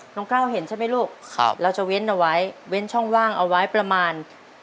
ก้าวเห็นใช่ไหมลูกเราจะเว้นเอาไว้เว้นช่องว่างเอาไว้ประมาณ